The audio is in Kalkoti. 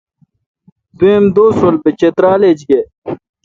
دوئم دوس رل بہ چترال ایچ گے۔